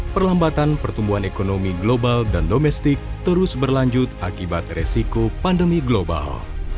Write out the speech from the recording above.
perlambatan pertumbuhan ekonomi global dan domestik terus berlanjut akibat resiko pandemi global